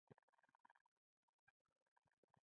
په افریقایي او اسیايي سیمو کې همداسې ده.